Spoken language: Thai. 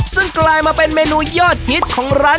ซึ่งกลายมาเป็นเมนูยอดฮิตของร้าน